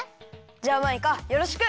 じゃあマイカよろしく。